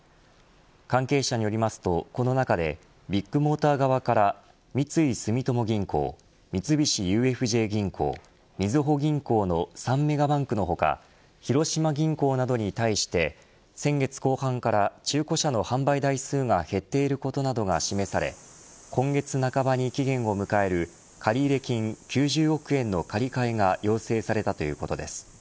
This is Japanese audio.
関係者によりますとこの中で、ビッグモーター側から三井住友銀行三菱ＵＦＪ銀行みずほ銀行の３メガバンクの他広島銀行などに対して先月後半から中古車の販売台数が減っていることなどが示され今月半ばに期限を迎える借入金９０億円の借り換えが要請されたということです。